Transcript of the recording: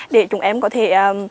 để chúng em có thể